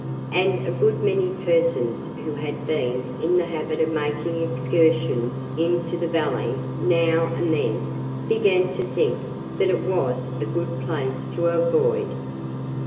And a good many persons who had been in the habit of making excursions into the valley now and then began to think that it was a good place to avoid.